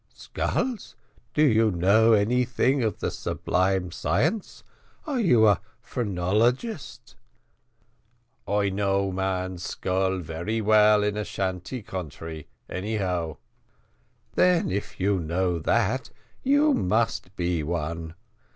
"Skulls skulls do you know anything of the sublime science; are you a phrenologist?" "I know man's skull very well in Ashantee country, anyhow." "Then if you know that, you must be one.